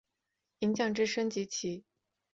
银将之升级棋。